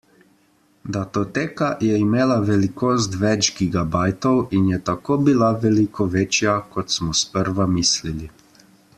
Datoteka je imela velikost več gigabajtov in je tako bila veliko večja, kot smo sprva mislili.